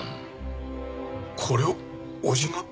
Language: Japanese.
これを叔父が？